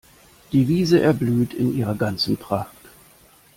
Die Wiese erblüht in ihrer ganzen Pracht.